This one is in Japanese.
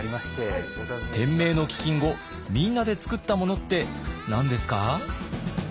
天明の飢饉後みんなでつくったものって何ですか？